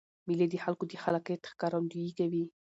مېلې د خلکو د خلاقیت ښکارندویي کوي.